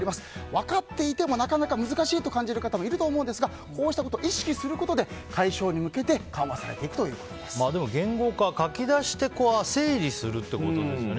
分かっていても、なかなか難しいと感じる方もいると思うんですがこうしたことを意識することで解消に向けて言語化、書き出して整理するってことですね。